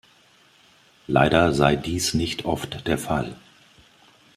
Leider sei dies nicht oft der Fall.